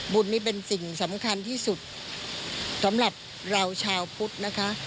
บุญนี้เป็นสิ่งสำคัญที่สุดสำหรับเราชาวพุทธนะคะ